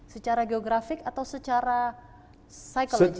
secara geografik atau secara psikologis